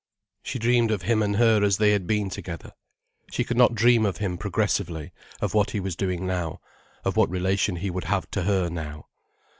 She dreamed of him and her as they had been together. She could not dream of him progressively, of what he was doing now, of what relation he would have to her now.